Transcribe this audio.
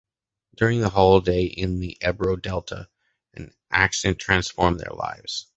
During a holiday in the Ebro Delta, an accident transforms their lives.